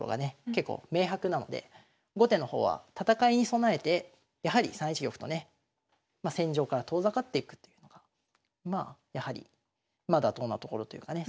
結構明白なので後手の方は戦いに備えてやはり３一玉とねまあ戦場から遠ざかっていくというのがまあやはりまだどんなところというかね